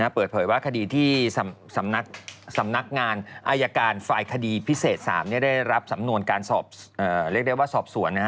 เปิดเผยว่าคดีที่สำนักงานอายการฝ่ายคดีพิเศษ๓ได้รับสำนวนการสอบสวน